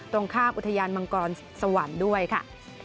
ตรงข้ามอุทยานมังกรสวรรค์ด้วยค่ะ